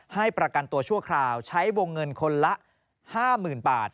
ให้ประกันตัวชั่วคราวใช้วงเงินคนละ๕๐๐๐บาท